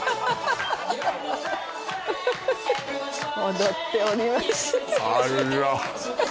踊っております